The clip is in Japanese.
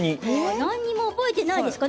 何も覚えてないですか？